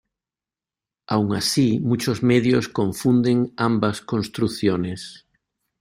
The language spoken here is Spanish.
Aun así, muchos medios confunden ambas construcciones.